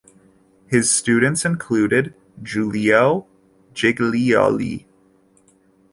His students included Giulio Giglioli.